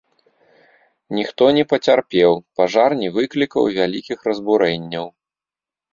Ніхто не пацярпеў, пажар не выклікаў вялікіх разбурэнняў.